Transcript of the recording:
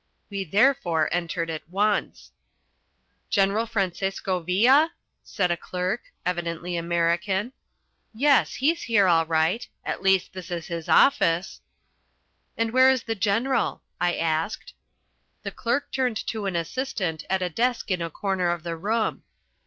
We therefore entered at once. "General Francesco Villa?" said a clerk, evidently American. "Yes, he's here all right. At least, this is the office." "And where is the General?" I asked. The clerk turned to an assistant at a desk in a corner of the room.